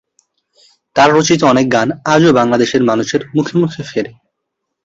তার রচিত অনেক গান আজও বাংলাদেশের মানুষের মুখে মুখে ফেরে।